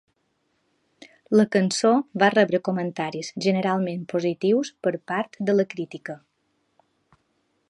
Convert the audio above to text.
La cançó va rebre comentaris generalment positius per part de la crítica.